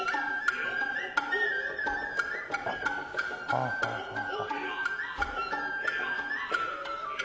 はあはあはあ。